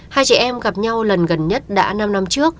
hai chị em gặp nhau lần gần nhất đã năm năm trước